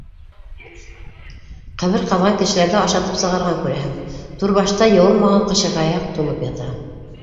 Ҡәбер ҡаҙған кешеләрҙе ашатып сығарған, күрәһең: түрбашта йыуылмаған ҡашығаяҡ тулып ята.